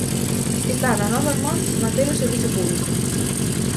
Está nas nosas mans mantelo servizo público.